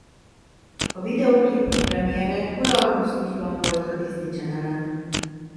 A videóklip premiere kora augusztusban volt a Disney Channelen.